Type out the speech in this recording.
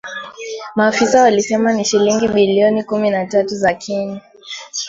Maafisa walisema ni shilingi bilioni kumi na tatu za Kenya